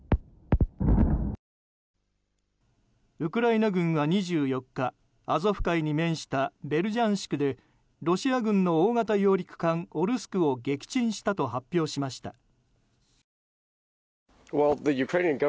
ウクライナ軍は２４日アゾフ海に面したベルジャンシクでロシア軍の大型揚陸艦「オルスク」を撃沈したと発表しました。